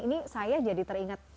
ini saya jadi teringat